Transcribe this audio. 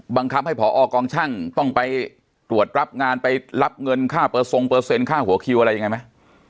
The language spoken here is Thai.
บังคับให้ผอกองช่างต้องไปตรวจรับงานไปรับเงินค่าเปอร์ทรงเปอร์เซ็นค่าหัวคิวอะไรยังไงไหม